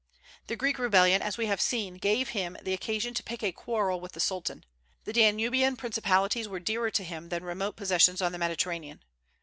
The Greek rebellion, as we have seen, gave him the occasion to pick a quarrel with the Sultan. The Danubian principalities were dearer to him than remote possessions on the Mediterranean.